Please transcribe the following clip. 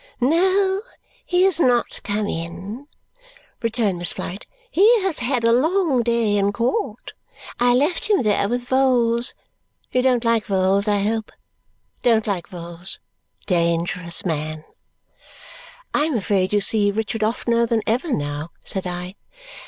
"No, he is not come in," returned Miss Flite. "He has had a long day in court. I left him there with Vholes. You don't like Vholes, I hope? DON'T like Vholes. Dan gerous man!" "I am afraid you see Richard oftener than ever now," said I.